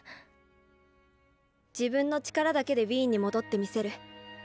自分の力だけでウィーンに戻ってみせる。